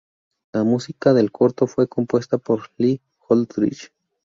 La música del corto fue compuesta por Lee Holdridge.